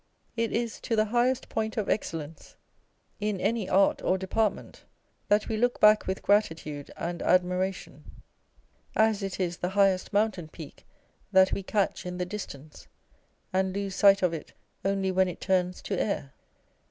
It is to the highest point of excellence in any art or department that we look back with gratitude and admiration, as it is the highest mountain peak that we catch in the distance, and lose sight of it only when it turns to air.